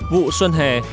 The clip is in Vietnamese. vụ xuân hè